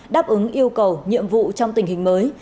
đáp ứng yêu cầu nhiệm vụ trong tình hình mới